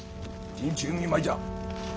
陣中見舞いじゃ。